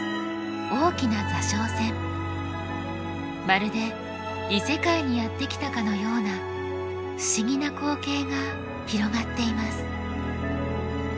まるで異世界にやって来たかのような不思議な光景が広がっています。